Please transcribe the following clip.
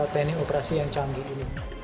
teknik operasi yang canggih ini